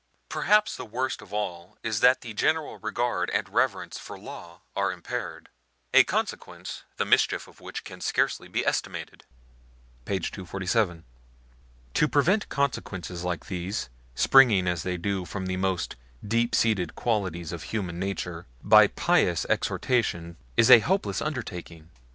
Perhaps. the worst of all is that the general regard and reverence for law are impaired, a consequence the mischief of which can scarcely be estimated (p. 247). To prevent consequences like these, springing as they do from the most deep seated qualities of human nature, by pious exhortations is a hopeless undertaking.